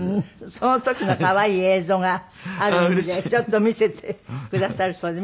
その時の可愛い映像があるんでちょっと見せてくださるそうで。